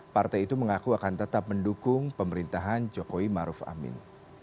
partai itu mengaku akan tetap mendukung pemerintahan jokowi maruf amin